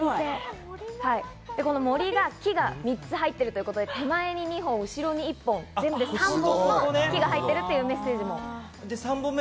森が「木」が３つ入ってるということで、手前に２本、後ろに１本、木が入っているというメッセージ。